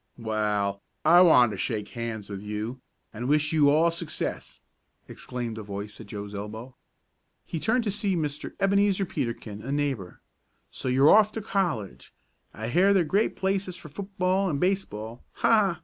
"Wa'al, I want to shake hands with you, an' wish you all success," exclaimed a voice at Joe's elbow. He turned to see Mr. Ebenezer Peterkin, a neighbor. "So you're off for college. I hear they're great places for football and baseball! Ha!